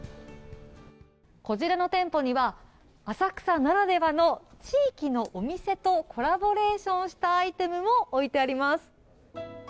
こちらの店舗には浅草ならではの地域のお店とコラボレーションしたアイテムも置いてあります。